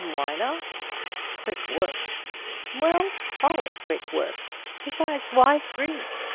"Why not?" "Quick work." "Well, call it quick work. Besides, why three?